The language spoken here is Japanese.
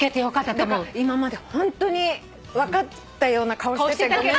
だから今までホントに分かったような顔しててごめん。